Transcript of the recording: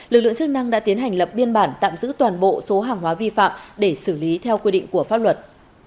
lực lượng chức năng đã tiến hành lập biên bản tạm giữ toàn bộ số hàng hóa vi phạm để xử lý theo quy định của pháp luật